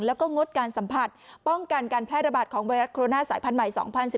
แล้วก็งดการสัมผัสป้องกันการแพร่ระบาดของไวรัสโคโรนาสายพันธุ์ใหม่๒๐๑๙